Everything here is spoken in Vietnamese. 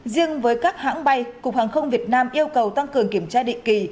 riêng với các hãng bay cục hàng không việt nam yêu cầu tăng cường kiểm tra định kỳ